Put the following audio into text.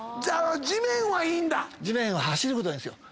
地面は走ることがいいんですよ。